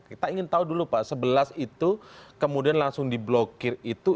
kita ingin tahu dulu pak sebelas itu kemudian langsung diblokir itu